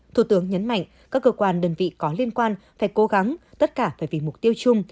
thủ tướng nhấn mạnh các cơ quan đơn vị có liên quan phải cố gắng tất cả phải vì mục tiêu chung